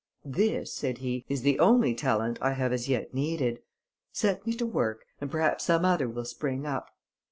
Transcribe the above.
"This," said he, "is the only talent I have as yet needed; set me to work, and perhaps some other will spring up."